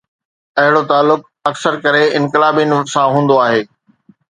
اهڙو تعلق اڪثر ڪري انقلابين سان هوندو آهي.